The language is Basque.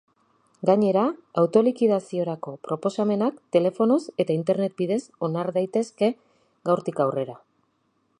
Gainera, autolikidaziorako proposamenak telefonoz eta internet bidez onar daitezke gaurtik aurrera.